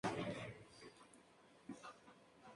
Cúpula B, un pueblo tropical con palmeras.